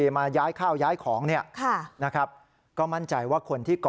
มาย้ายข้าวย้ายของเนี่ยนะครับก็มั่นใจว่าคนที่ก่อ